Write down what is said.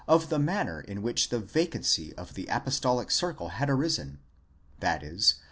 of the manner in which the vacancy in the apostolic circle had arisen, i.e.